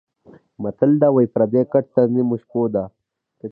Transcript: متل ده:واى پردى ګټ تر نيمو شپو ده.